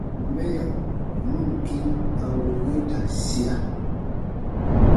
Mɛya nu ǹ kĩ a wuu ge da sia.